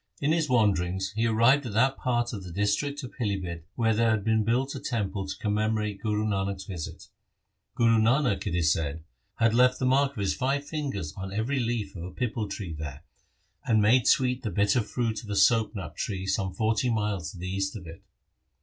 In his wanderings he arrived at that part of the district of Pilibhit where there had been built a temple to commemorate Guru Nanak's visit. Guru Nanak, it is said, had left the mark of his five fingers on every leaf of a pipal tree there, and made sweet the bitter fruit of a soap nut tree some forty miles to the east of it.